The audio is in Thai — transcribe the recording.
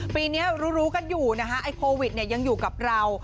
ปีนี้รู้กันอยู่นะคะไอ้โควิดเนี่ยยังอยู่กับเรา